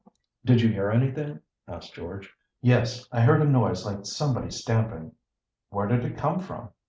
"Did you hear anything?" asked George. "Yes; I heard a noise like somebody stamping." "Where did it come from?"